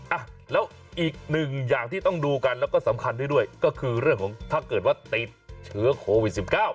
อ่ะแล้วอีกหนึ่งอย่างที่ต้องดูกันแล้วก็สำคัญด้วยก็คือเรื่องของถ้าเกิดว่าติดเชื้อโควิด๑๙